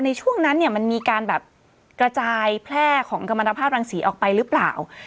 ในช่วงนั้นเนี่ยมันมีการแบบกระจายแพร่ของกรรมภาพรังศรีออกไปหรือเปล่า